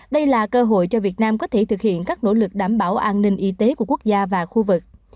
đây là cơ hội cho việt nam có thể thực hiện các nỗ lực đảm bảo an ninh y tế của quốc gia và khu vực